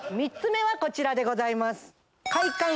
３つ目はこちらでございます。